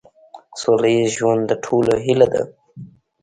سوله ایز ژوند د ټولو هیله ده.